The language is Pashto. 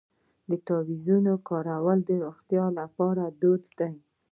د تعویذونو کارول د روغتیا لپاره دود دی.